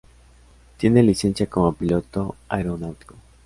Tiene licencia como piloto aeronáutico.